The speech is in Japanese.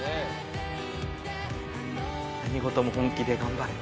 △叩何事も本気で頑張れ‼